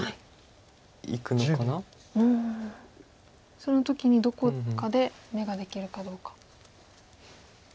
その時にどこかで眼ができるかどうか。